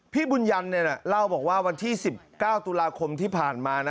พี่บุญยันเล่าบอกว่าวันที่๑๙ตุลาคมที่ผ่านมานะ